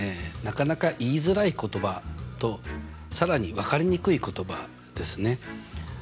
なかなか言いづらい言葉と更に分かりにくい言葉ですね。